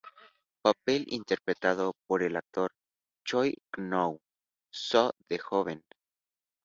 Papel interpretado por el actor Choi Kwon-soo de joven.